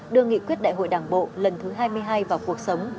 đưa nghị quyết đại hội đảng bộ lần thứ hai mươi hai vào cuộc sống